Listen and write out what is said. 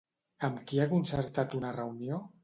Amb qui ha concertat una reunió?